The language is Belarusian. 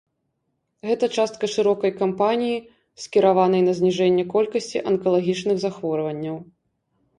Гэта частка шырокай кампаніі, скіраванай на зніжэнне колькасці анкалагічных захворванняў.